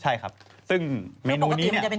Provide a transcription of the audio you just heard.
จากกระแสของละครกรุเปสันนิวาสนะฮะ